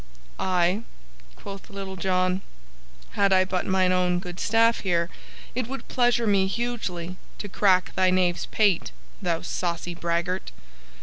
"Ay," quoth Little John, "had I but mine own good staff here, it would pleasure me hugely to crack thy knave's pate, thou saucy braggart!